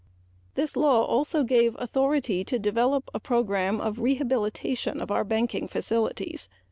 This law also gave authority to develop a program of rehabilitation of our banking facilities.